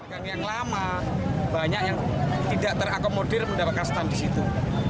pedagang yang lama banyak yang tidak terakomodir mendapatkan stun di situ